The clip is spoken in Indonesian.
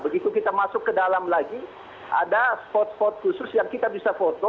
begitu kita masuk ke dalam lagi ada spot spot khusus yang kita bisa foto